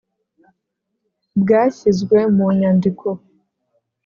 bwashyizwe mu nyandiko